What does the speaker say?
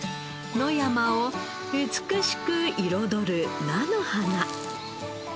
野山を美しく彩る菜の花。